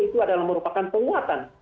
itu adalah merupakan penguatan